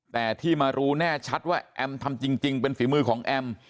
แต่ที่มารู้แน่ชัดว่าแอมทำจริงเป็นฝีมือของแอม